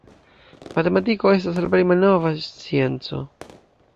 Matematiko estas plej malnova scienco.